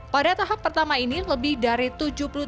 pada tahap pertama ini lebih dibuat